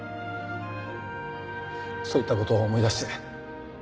そういったことを思い出して。